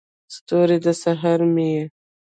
ستوری، د سحر مې یې